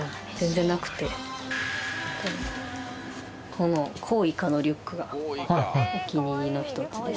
このコウイカのリュックがお気に入りの一つです。